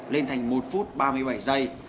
lên thành một phút ba mươi bảy giây